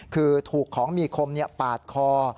คือถูกของมีคมปาดคอ